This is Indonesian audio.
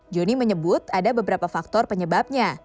joni menyebut ada beberapa faktor penyebabnya